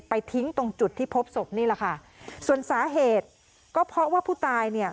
ทิ้งตรงจุดที่พบศพนี่แหละค่ะส่วนสาเหตุก็เพราะว่าผู้ตายเนี่ย